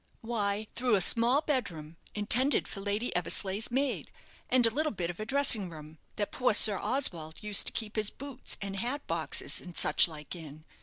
"Why, through a small bed room, intended for Lady Eversleigh's maid; and a little bit of a dressing room, that poor Sir Oswald used to keep his boots, and hat boxes, and such like in.